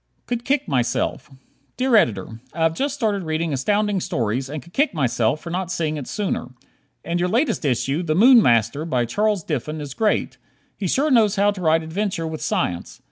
"Could Kick Myself" Dear Editor: I have just started reading Astounding Stories and could kick myself for not seeing it sooner. In your latest issue, "The Moon Master," by Charles Diffin, is great. He sure knows how to write adventure with science.